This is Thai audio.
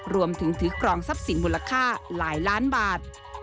รวมถึงถือกรองทรัพย์สินมูลค่าหลายล้านบาท